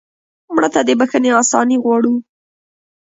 مړه ته د بښنې آساني غواړو